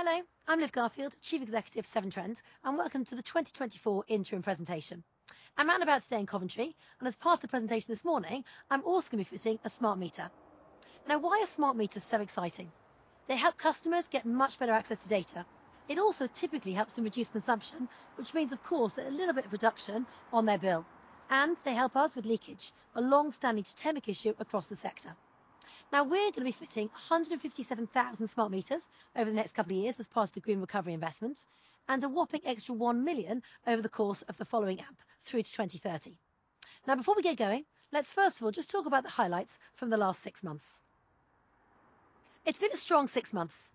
Hello, I'm Liv Garfield, Chief Executive of Severn Trent, and welcome to the 2024 interim presentation. I'm out and about today in Coventry, and as part of the presentation this morning, I'm also going to be fitting a smart meter. Now, why are smart meters so exciting? They help customers get much better access to data. It also typically helps them reduce consumption, which means, of course, that a little bit of reduction on their bill, and they help us with leakage, a long-standing systemic issue across the sector. Now, we're going to be fitting 157,000 smart meters over the next couple of years as part of the Green Recovery investment, and a whopping extra 1 million over the course of the following AMP through to 2030. Now, before we get going, let's first of all just talk about the highlights from the last six months. It's been a strong six months.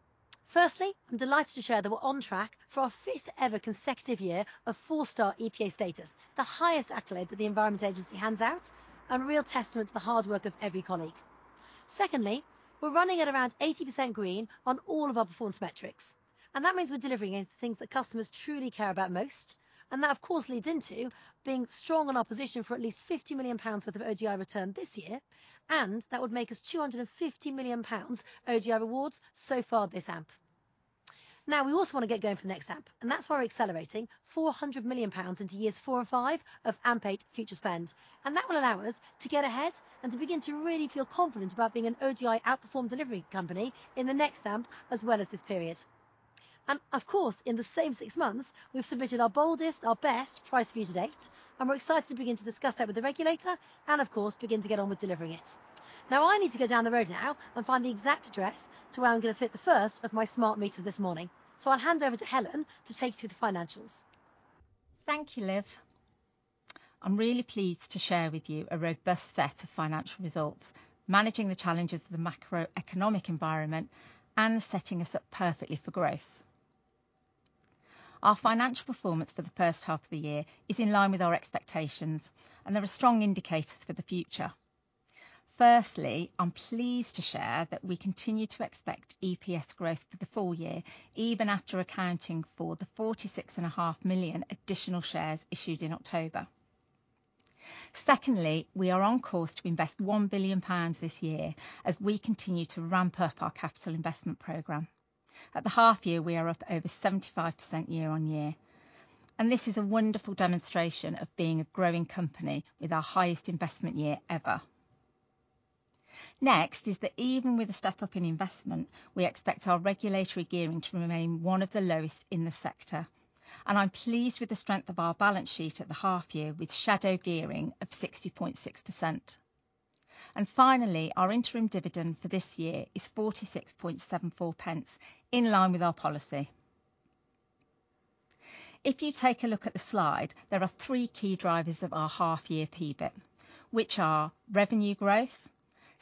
Firstly, I'm delighted to share that we're on track for our fifth ever consecutive year of four-star EPA status, the highest accolade that the Environment Agency hands out and a real testament to the hard work of every colleague. Secondly, we're running at around 80% green on all of our performance metrics, and that means we're delivering against the things that customers truly care about most. And that, of course, leads into being strong on our position for at least 50 million pounds worth of ODI return this year, and that would make us 250 million pounds ODI rewards so far this amp. Now, we also want to get going for the next AMP, and that's why we're accelerating 400 million pounds into years 4 and 5 of AMP8 future spend. And that will allow us to get ahead and to begin to really feel confident about being an ODI outperforming delivery company in the next AMP, as this period. And of course, in the same six months, we've submitted our boldest, our best price view to date, and we're excited to begin to discuss that with the regulator and, of course, begin to get on with delivering it. Now, I need to go down the road now and find the exact address to where I'm going to fit the first of my smart meters this morning. So I'll hand over to Helen to take you through the financials. Thank you, Liv. I'm really pleased to share with you a robust set of financial results, managing the challenges of the macroeconomic environment and setting us up perfectly for growth. Our financial performance for the H1 of the year is in line with our expectations, and there are strong indicators for the future. Firstly, I'm pleased to share that we continue to expect EPS growth for the full year, even after accounting for the 46.5 million additional shares issued in October. Secondly, we are on course to invest 1 billion pounds this year as we continue to ramp up our capital investment program. At the half year, we are up over 75% year-on-year, and this is a wonderful demonstration of being a growing company with our highest investment year ever. Next is that even with a step up in investment, we expect our regulatory gearing to remain one of the lowest in the sector, and I'm pleased with the strength of our balance sheet at the half year, with shadow gearing of 60.6%. And finally, our interim dividend for this year is 46.74 pence, in line with our policy. If you take a look at the slide, there are three key drivers of our half year PBIT, which are revenue growth,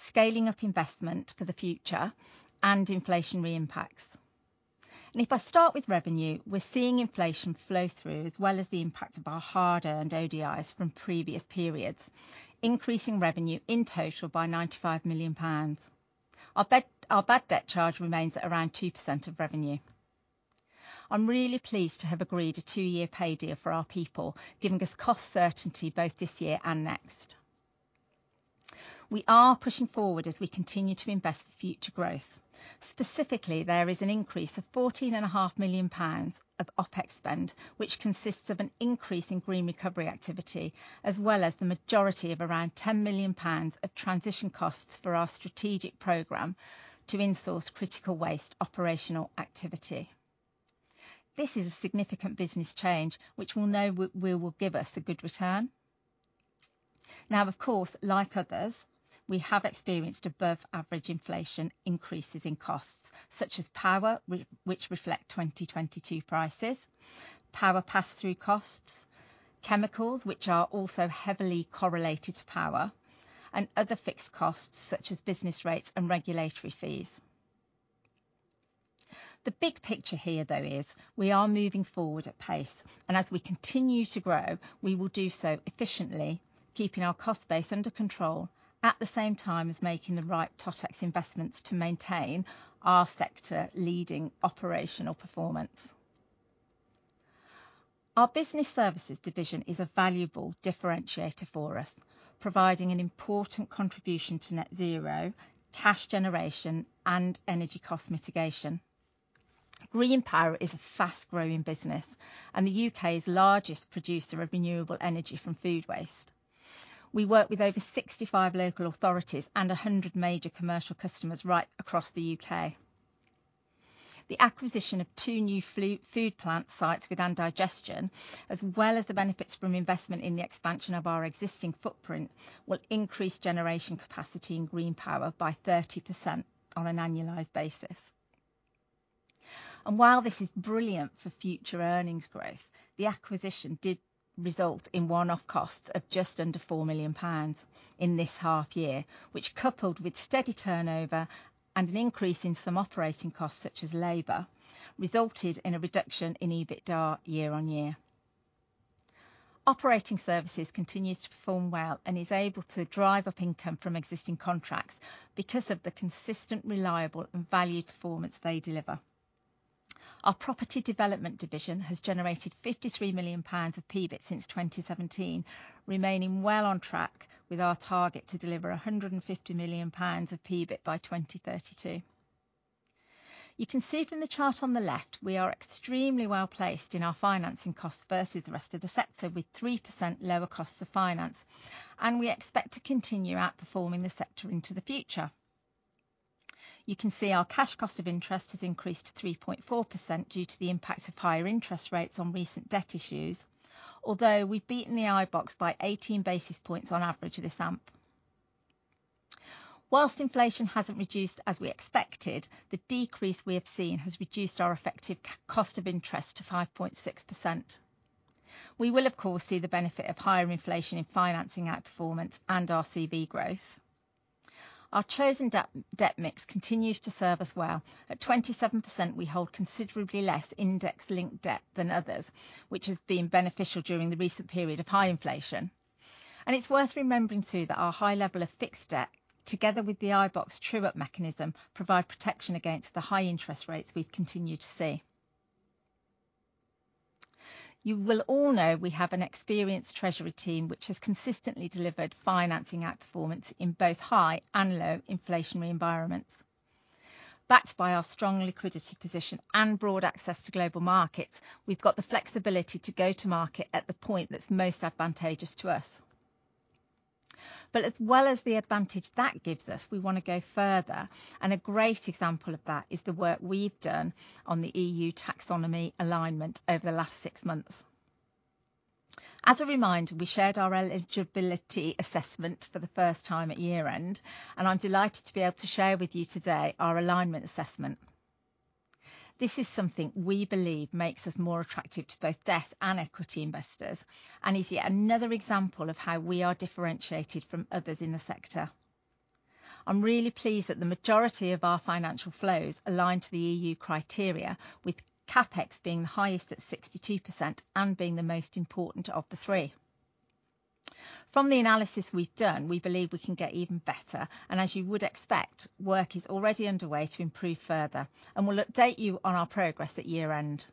scaling up investment for the future, and inflationary impacts. And if I start with revenue, we're seeing inflation flow through, as the impact of our hard-earned ODIs from previous periods, increasing revenue in total by 95 million pounds. Our bad debt charge remains at around 2% of revenue. I'm really pleased to have agreed a two-year pay deal for our people, giving us cost certainty both this year and next. We are pushing forward as we continue to invest for future growth. Specifically, there is an increase of 14.5 million pounds of OpEx spend, which consists of an increase in green recovery activity, as the majority of around 10 million pounds of transition costs for our strategic program to in-source critical waste operational activity. This is a significant business change, which we know will give us a good return. Now, of course, like others, we have experienced above average inflation increases in costs, such as power, which reflect 2022 prices, power pass-through costs, chemicals, which are also heavily correlated to power, and other fixed costs, such as business rates and regulatory fees. The big picture here, though, is we are moving forward at pace, and as we continue to grow, we will do so efficiently, keeping our cost base under control, at the same time as making the right TotEx investments to maintain our sector-leading operational performance. Our Business Services division is a valuable differentiator for us, providing an important contribution to net zero, cash generation, and energy cost mitigation. Green Power is a fast-growing business and the UK's largest producer of renewable energy from food waste. We work with over 65 local authorities and 100 major commercial customers right across the UK. The acquisition of 2 new food plant sites with digestion, as the benefits from investment in the expansion of our existing footprint, will increase generation capacity and Green Power by 30% on an annualized basis. And while this is brilliant for future earnings growth, the acquisition did result in one-off costs of just under 4 million pounds in this half year, which, coupled with steady turnover and an increase in some operating costs, such as labor, resulted in a reduction in EBITDA year-on-year. Operating Services continues to perform well and is able to drive up income from existing contracts because of the consistent, reliable, and valued performance they deliver. Our Property Development division has generated 53 million pounds of PBIT since 2017, remaining well on track with our target to deliver 150 million pounds of PBIT by 2032. You can see from the chart on the left, we are extremely well-placed in our financing costs versus the rest of the sector, with 3% lower costs of finance, and we expect to continue outperforming the sector into the future. You can see our cash cost of interest has increased to 3.4% due to the impact of higher interest rates on recent debt issues, although we've beaten the iBoxx by 18 basis points on average this AMP. While inflation hasn't reduced as we expected, the decrease we have seen has reduced our effective cost of interest to 5.6%. We will, of course, see the benefit of higher inflation in financing outperformance and RCV growth. Our chosen debt, debt mix continues to serve us well. At 27%, we hold considerably less index-linked debt than others, which has been beneficial during the recent period of high inflation. It's worth remembering, too, that our high level of fixed debt, together with the iBoxx true-up mechanism, provide protection against the high interest rates we've continued to see. You will all know we have an experienced treasury team, which has consistently delivered financing outperformance in both high and low inflationary environments. Backed by our strong liquidity position and broad access to global markets, we've got the flexibility to go to market at the point that's most advantageous to us. As the advantage that gives us, we want to go further, and a great example of that is the work we've done on the EU Taxonomy alignment over the last six months. As a reminder, we shared our eligibility assessment for the first time at year-end, and I'm delighted to be able to share with you today our alignment assessment. This is something we believe makes us more attractive to both debt and equity investors and is yet another example of how we are differentiated from others in the sector. I'm really pleased that the majority of our financial flows align to the EU criteria, with CapEx being the highest at 62% and being the most important of the three. From the analysis we've done, we believe we can get even better, and as you would expect, work is already underway to improve further, and we'll update you on our progress at year-end.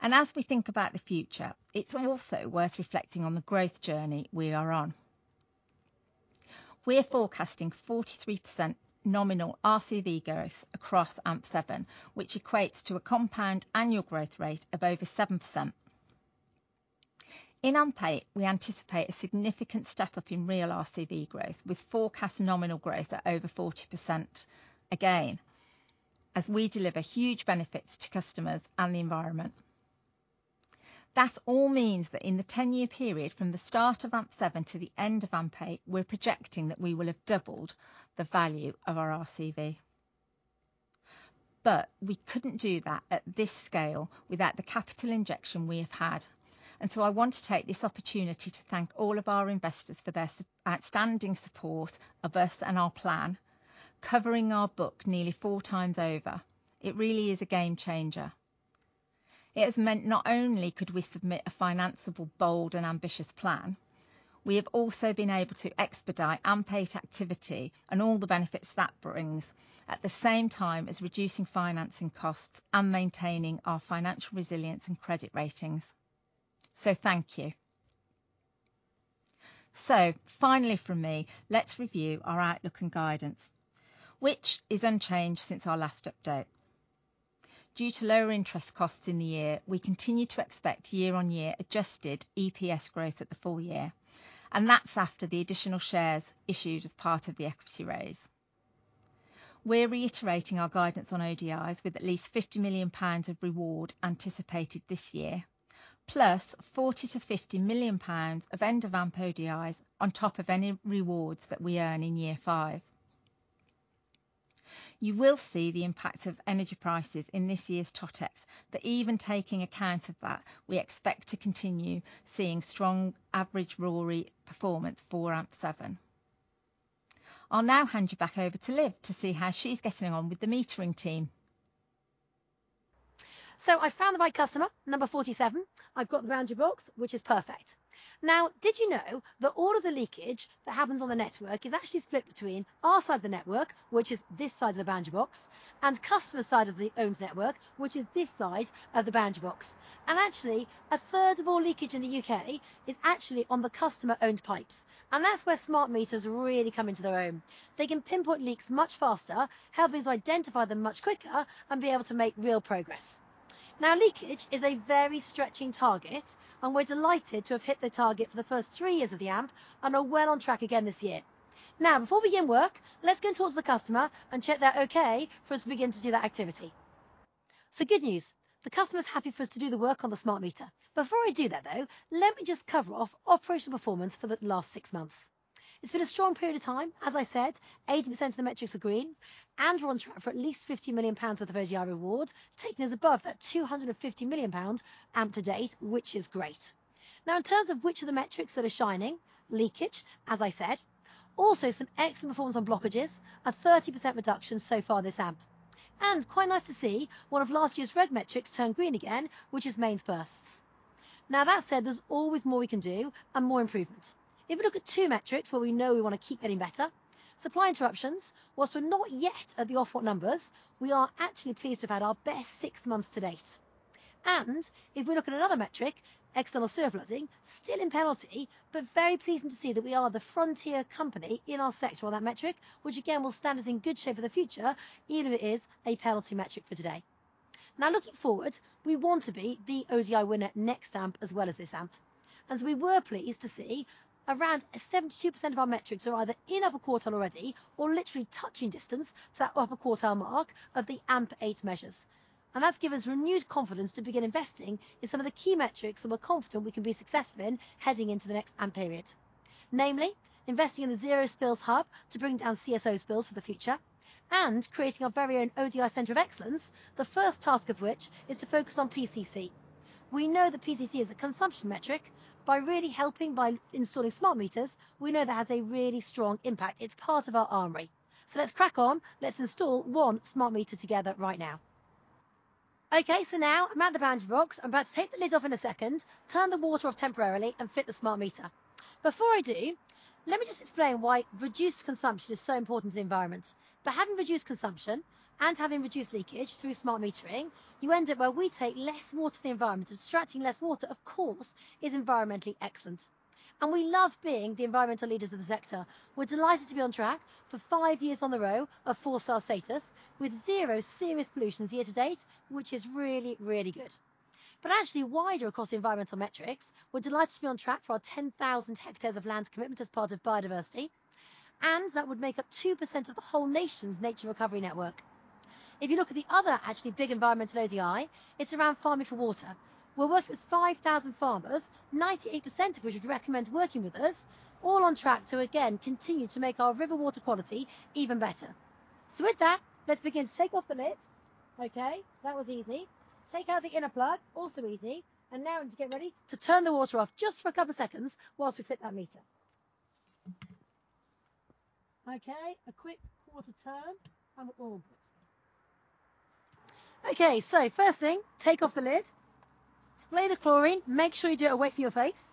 As we think about the future, it's also worth reflecting on the growth journey we are on. We're forecasting 43% nominal RCV growth across AMP7, which equates to a compound annual growth rate of over 7%. In AMP8, we anticipate a significant step-up in real RCV growth, with forecast nominal growth at over 40%, again, as we deliver huge benefits to customers and the environment. That all means that in the ten-year period, from the start of AMP7 to the end of AMP8, we're projecting that we will have doubled the value of our RCV. But we couldn't do that at this scale without the capital injection we have had, and so I want to take this opportunity to thank all of our investors for their outstanding support of us and our plan, covering our book nearly 4 times over. It really is a game changer. It has meant not only could we submit a financiable, bold and ambitious plan, we have also been able to expedite AMP8 activity and all the benefits that brings, at the same time as reducing financing costs and maintaining our financial resilience and credit ratings. So thank you. So finally from me, let's review our outlook and guidance, which is unchanged since our last update. Due to lower interest costs in the year, we continue to expect year-on-year adjusted EPS growth at the full year, and that's after the additional shares issued as part of the equity raise. We're reiterating our guidance on ODIs, with at least 50 million pounds of reward anticipated this year, plus 40 million-50 million pounds of end of AMP ODIs on top of any rewards that we earn in year five. You will see the impact of energy prices in this year's TotEx, but even taking account of that, we expect to continue seeing strong average RoRE performance for AMP7. I'll now hand you back over to Liv to see how she's getting on with the metering team. So I found the right customer, number 47. I've got the boundary box, which is perfect. Now, did you know that all of the leakage that happens on the network is actually split between our side of the network, which is this side of the boundary box, and customer side of the owned network, which is this side of the boundary box? And actually, a third of all leakage in the U.K. is actually on the customer-owned pipes, and that's where smart meters really come into their own. They can pinpoint leaks much faster, helping us identify them much quicker and be able to make real progress. Now, leakage is a very stretching target, and we're delighted to have hit the target for the first three years of the AMP and are well on track again this year. Now, before we begin work, let's go and talk to the customer and check they're okay for us to begin to do that activity. So good news, the customer's happy for us to do the work on the smart meter. Before I do that, though, let me just cover off operational performance for the last six months. It's been a strong period of time. As I said, 80% of the metrics are green, and we're on track for at least 50 million pounds worth of ODI reward, taking us above that 250 million pounds AMP to date, which is great. Now, in terms of which of the metrics that are shining, leakage, as I said, also some excellent performance on blockages, a 30% reduction so far this AMP. And quite nice to see one of last year's red metrics turn green again, which is mains bursts. Now, that said, there's always more we can do and more improvements. If we look at two metrics where we know we want to keep getting better, supply interruptions, whilst we're not yet at the Ofwat numbers, we are actually pleased to have had our best six months to date. And if we look at another metric, external sewer flooding, still in penalty, but very pleasing to see that we are the frontier company in our sector on that metric, which again, will stand us in good shape for the future, even if it is a penalty metric for today. Now, looking forward, we want to be the ODI winner next AMP as this AMP. We were pleased to see around 72% of our metrics are either in upper quartile already or literally touching distance to that upper quartile mark of the AMP8 measures. And that's given us renewed confidence to begin investing in some of the key metrics that we're confident we can be successful in heading into the next AMP period. Namely, investing in the Zero Spills Hub to bring down CSO spills for the future and creating our very own ODI Centre of Excellence, the first task of which is to focus on PCC. We know that PCC is a consumption metric. By really helping by installing smart meters, we know that has a really strong impact. It's part of our armory. So let's crack on. Let's install one smart meter together right now. Okay, so now I'm at the boundary box. I'm about to take the lid off in a second, turn the water off temporarily, and fit the smart meter. Before I do, let me just explain why reduced consumption is so important to the environment. By having reduced consumption and having reduced leakage through smart metering, you end up where we take less water to the environment, and extracting less water, of course, is environmentally excellent, and we love being the environmental leaders of the sector. We're delighted to be on track for five years in a row of four-star status with zero serious pollutions year to date, which is really, really good. But actually, wider across the environmental metrics, we're delighted to be on track for our 10,000 hectares of land commitment as part of biodiversity, and that would make up 2% of the whole nation's nature recovery network. If you look at the other actually big environmental ODI, it's around Farming for Water. We're working with 5,000 farmers, 98% of which would recommend working with us, all on track to, again, continue to make our river water quality even better. So with that, let's begin to take off the lid. Okay, that was easy. Take out the inner plug, also easy, and now I want to get ready to turn the water off just for a couple of seconds while we fit that meter. Okay, a quick quarter turn, and we're all good. Okay, so first thing, take off the lid, spray the chlorine. Make sure you do it away from your face.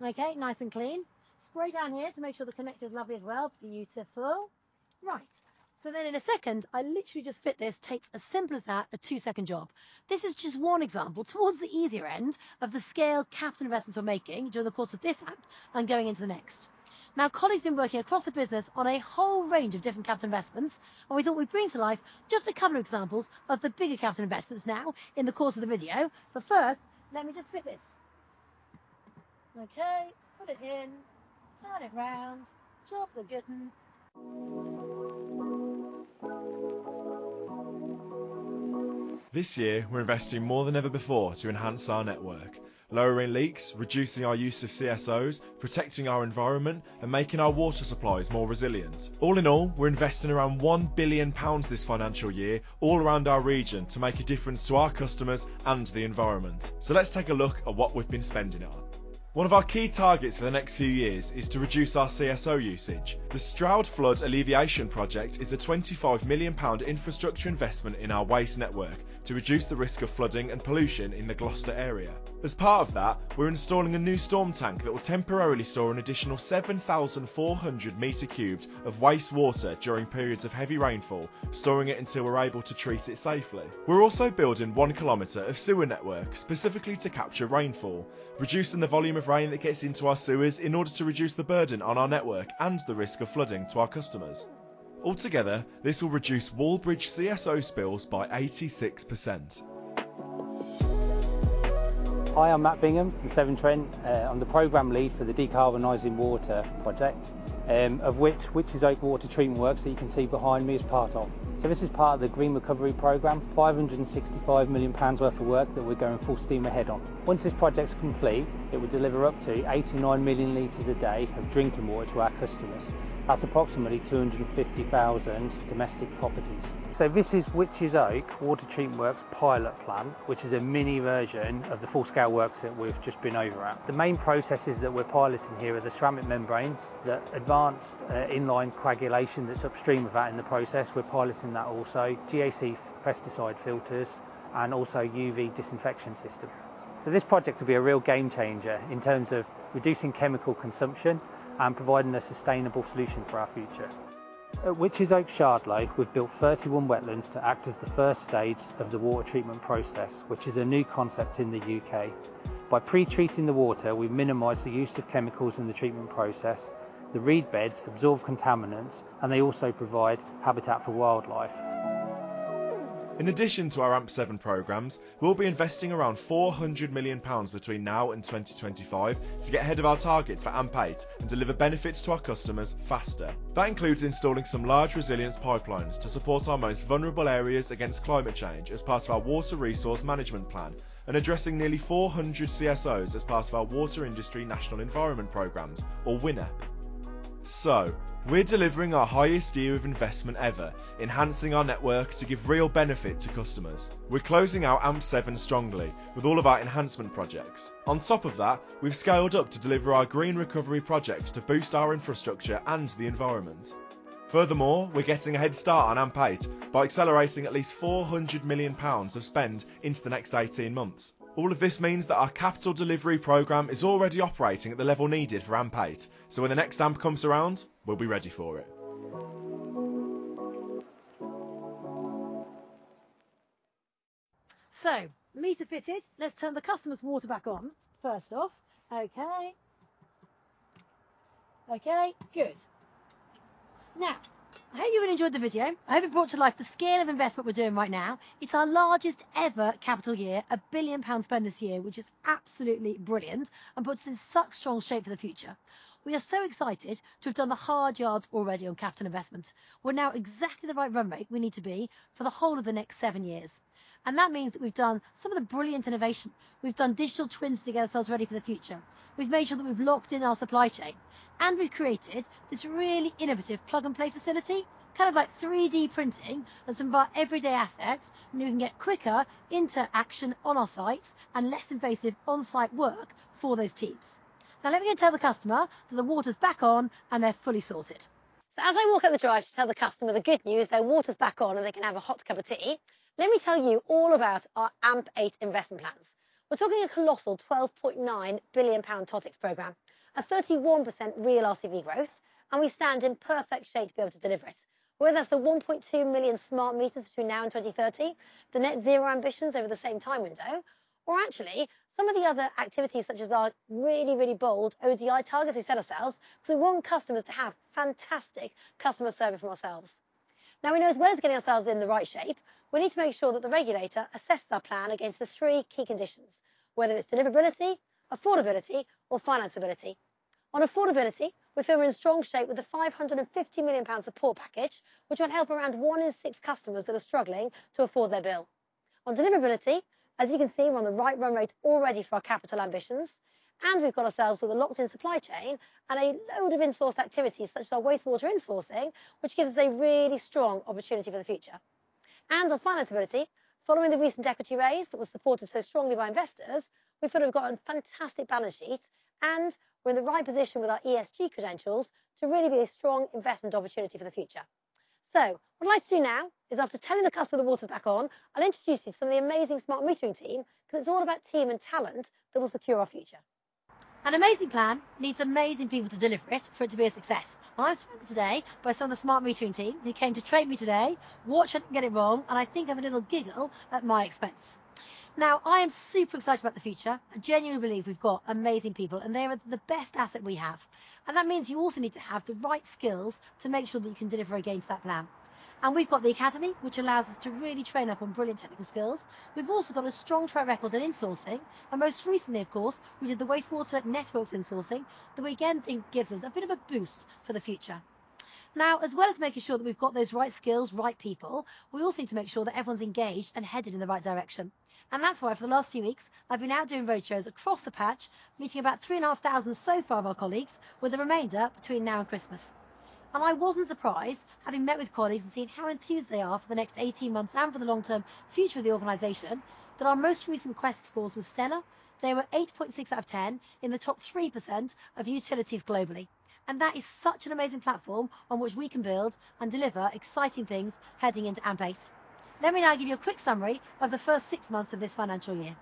Okay, nice and clean. Spray down here to make sure the connector's lovely. Beautiful. Right. So then in a second, I literally just fit this. That's as simple as that, a two-second job. This is just one example towards the easier end of the scale capital investments we're making during the course of this AMP and going into the next. Now, colleagues have been working across the business on a whole range of different capital investments, and we thought we'd bring to life just a couple of examples of the bigger capital investments now in the course of the video. But first, let me just fit this. Okay, put it in, turn it around. Job's a good 'un. This year, we're investing more than ever before to enhance our network, lowering leaks, reducing our use of CSOs, protecting our environment, and making our water supplies more resilient. All in all, we're investing around 1 billion pounds this financial year all around our region to make a difference to our customers and the environment. Let's take a look at what we've been spending it on. One of our key targets for the next few years is to reduce our CSO usage. The Stroud Flood Alleviation Project is a 25 million pound infrastructure investment in our waste network to reduce the risk of flooding and pollution in the Gloucester area. As part of that, we're installing a new storm tank that will temporarily store an additional 7,400 cubic meters of wastewater during periods of heavy rainfall, storing it until we're able to treat it safely. We're also building 1 kilometer of sewer network specifically to capture rainfall, reducing the volume of rain that gets into our sewers in order to reduce the burden on our network and the risk of flooding to our customers. Altogether, this will reduce Wallbridge CSO spills by 86%. Hi, I'm Matt Bingham from Severn Trent. I'm the program lead for the Decarbonizing Water project, of which Wychbury's Water Treatment Works, that you can see behind me, is part of. So this is part of the Green Recovery Program, 565 million pounds worth of work that we're going full steam ahead on. Once this project's complete, it will deliver up to 89 million liters a day of drinking water to our customers. That's approximately 250,000 domestic properties. So this is Wychbury's Water Treatment Works pilot plant, which is a mini version of the full-scale works that we've just been over at. The main processes that we're piloting here are the ceramic membranes, the advanced, in-line coagulation that's upstream of that in the process, we're piloting that also, GAC pesticide filters, and also UV disinfection system. This project will be a real game-changer in terms of reducing chemical consumption and providing a sustainable solution for our future. At Wychbury's Shard Lake, we've built 31 wetlands to act as the first stage of the water treatment process, which is a new concept in the UK. By pre-treating the water, we minimize the use of chemicals in the treatment process. The reed beds absorb contaminants, and they also provide habitat for wildlife. In addition to our AMP7 programs, we'll be investing around 400 million pounds between now and 2025 to get ahead of our targets for AMP8 and deliver benefits to our customers faster. That includes installing some large resilience pipelines to support our most vulnerable areas against climate change as part of our Water Resources Management Plan, and addressing nearly 400 CSOs as part of our Water Industry National Environment Program, or WINEP. So we're delivering our highest year of investment ever, enhancing our network to give real benefit to customers. We're closing out AMP7 strongly with all of our enhancement projects. On top of that, we've scaled up to deliver our green recovery projects to boost our infrastructure and the environment. Furthermore, we're getting a head start on AMP8 by accelerating at least 400 million pounds of spend into the next 18 months. All of this means that our capital delivery program is already operating at the level needed for AMP8. So when the next AMP comes around, we'll be ready for it. So meter fitted, let's turn the customer's water back on, first off. Okay. Okay, good. Now, I hope you all enjoyed the video. I hope it brought to life the scale of investment we're doing right now. It's our largest ever capital year, 1 billion pounds spend this year, which is absolutely brilliant, and puts us in such strong shape for the future. We are so excited to have done the hard yards already on capital investment. We're now at exactly the right run rate we need to be for the whole of the next seven years, and that means that we've done some of the brilliant innovation. We've done digital twins to get ourselves ready for the future. We've made sure that we've locked in our supply chain, and we've created this really innovative plug-and-play facility, like 3D printing of some of our everyday assets, and we can get quicker into action on our sites and less invasive on-site work for those teams. Now, let me go tell the customer that the water's back on, and they're fully sorted. So as I walk up the drive to tell the customer the good news, their water's back on, and they can have a hot cup of tea, let me tell you all about our AMP8 investment plans. We're talking a colossal 12.9 billion pound TOTEX program, a 31% real RCV growth, and we stand in perfect shape to be able to deliver it. Whether that's the 1.2 million smart meters between now and 2030, the net zero ambitions over the same time window, or actually some of the other activities, such as our really, really bold ODI targets we set ourselves because we want customers to have fantastic customer service from ourselves. Now, we know, as getting ourselves in the right shape, we need to make sure that the regulator assesses our plan against the three key conditions, whether it's deliverability, affordability, or financability. On affordability, we feel we're in strong shape with the 550 million pound support package, which will help around one in six customers that are struggling to afford their bill. On deliverability, as you can see, we're on the right run rate already for our capital ambitions, and we've got ourselves with a locked-in supply chain and a load of insourced activities, such as our wastewater insourcing, which gives us a really strong opportunity for the future. And on financeability, following the recent equity raise that was supported so strongly by investors, we feel we've got a fantastic balance sheet, and we're in the right position with our ESG credentials to really be a strong investment opportunity for the future. So what I'd like to do now is, after telling the customer the water's back on, I'll introduce you to some of the amazing smart metering team, because it's all about team and talent that will secure our future. An amazing plan needs amazing people to deliver it for it to be a success. I was joined today by some of the smart metering team who came to train me today, watch me get it wrong, and I think have a little giggle at my expense. Now, I am super excited about the future. I genuinely believe we've got amazing people, and they are the best asset we have. And that means you also need to have the right skills to make sure that you can deliver against that plan. And we've got the academy, which allows us to really train up on brilliant technical skills. We've also got a strong track record in insourcing, and most recently, of course, we did the wastewater networks insourcing, that we again think gives us a bit of a boost for the future. Now, as making sure that we've got those right skills, right people, we also need to make sure that everyone's engaged and headed in the right direction. And that's why, for the last few weeks, I've been out doing roadshows across the patch, meeting about 3,500 so far of our colleagues, with the remainder between now and Christmas. And I wasn't surprised, having met with colleagues and seen how enthused they are for the next 18 months and for the long-term future of the organization, that our most recent Quest scores were stellar. They were 8.6 out of 10, in the top 3% of utilities globally. And that is such an amazing platform on which we can build and deliver exciting things heading into AMP8. Let me now give you a quick summary of the first six months of this financial year.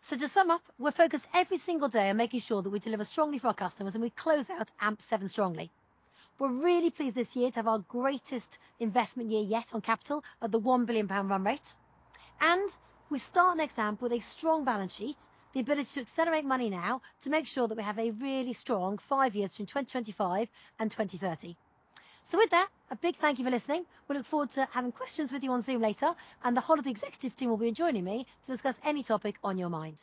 So to sum up, we're focused every single day on making sure that we deliver strongly for our customers, and we close out AMP7 strongly. We're really pleased this year to have our greatest investment year yet on capital at the 1 billion pound run rate. And we start the next AMP with a strong balance sheet, the ability to accelerate money now to make sure that we have a really strong five years between 2025 and 2030. So with that, a big thank you for listening. We look forward to having questions with you on Zoom later, and the whole of the executive team will be joining me to discuss any topic on your mind.